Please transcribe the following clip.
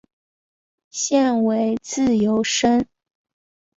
现为自由身。